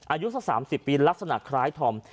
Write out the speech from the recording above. อายุสัก๓๐ปีลักษณะคล้ายธอม